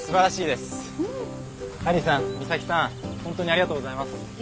ありがとうございます。